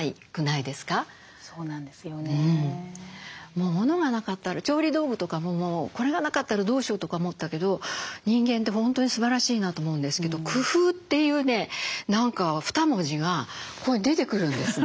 もう物がなかったら調理道具とかももうこれがなかったらどうしようとか思ってたけど人間って本当にすばらしいなと思うんですけど「工夫」というね何か二文字がここに出てくるんですね。